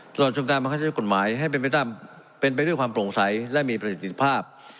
ตลอดชมการพนาคกฎหมายให้เป็นไปด้วยความโปร่งใสและมีประสิทธิภาพ